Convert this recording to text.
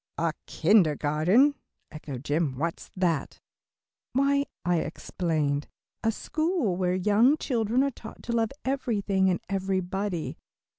"A kindergarten," echoed Jim, "what's that?" "Why," I explained, "a school where young children are taught to love everything and everybody.